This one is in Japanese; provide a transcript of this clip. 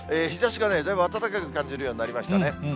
日ざしがだいぶ暖かく感じるようになりましたね。